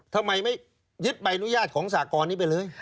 ทำไมไม่ยึดใบอนุญาตของสากรนี้ไปเลย